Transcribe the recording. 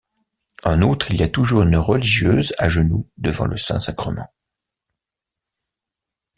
En outre, il y a toujours une religieuse à genoux devant le Saint-Sacrement.